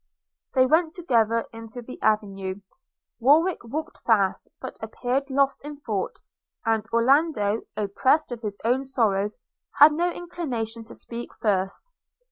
They went together into the avenue: Warwick walked fast, but appeared lost in thought; and Orlando, oppressed with his own sorrows, had no inclination to speak first.